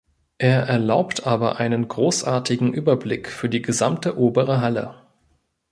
Er erlaubt aber einen großartigen Überblick für die gesamte obere Halle.